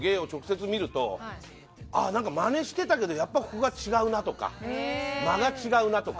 ああなんかまねしてたけどやっぱここが違うなとか間が違うなとか。